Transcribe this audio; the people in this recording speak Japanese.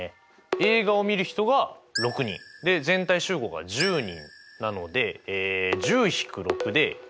映画をみる人が６人全体集合が１０人なので１０−６で４。